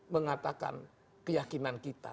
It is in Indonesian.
mengatakan keyakinan kita